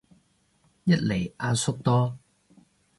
一嚟阿叔多